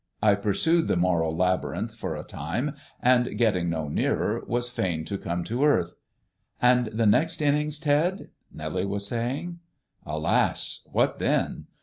I pursued the moral labyrinth for a time, and, getting no nearer, was fain to come to earth. "And the next innings, Ted " Nellie was saying. Alas! What then?